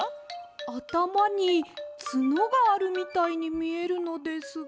あたまにつのがあるみたいにみえるのですが。